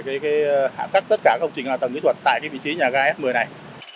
để hạ cắt tất cả công trình tầng kỹ thuật tại vị trí nhà ga s một mươi này